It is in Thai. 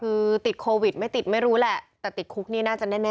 คือติดโควิดไม่ติดไม่รู้แหละแต่ติดคุกนี่น่าจะแน่